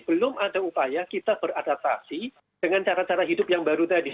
belum ada upaya kita beradaptasi dengan cara cara hidup yang baru tadi